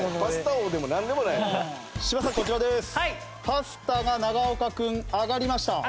パスタが永岡君上がりました。